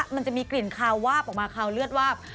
มันจะมีกลิ่นคาววาบออกมาคาวเลือดวาบ